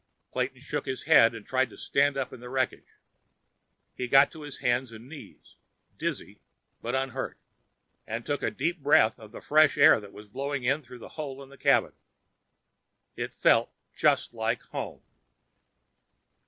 Clayton shook his head and tried to stand up in the wreckage. He got to his hands and knees, dizzy but unhurt, and took a deep breath of the fresh air that was blowing in through the hole in the cabin. It felt just like home.